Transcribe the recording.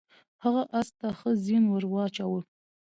هغه اس ته ښه زین ور واچاوه.